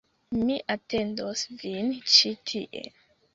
Mi atendos vin ĉi tie